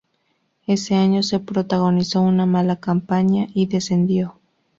Ese año se protagonizó una mala campaña y descendió.